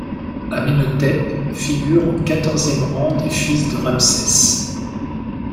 Amenhotep figure en quatorzième rang des fils de Ramsès.